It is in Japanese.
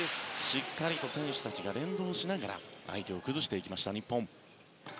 しっかり選手たちが連動しながら相手を崩していきました、日本。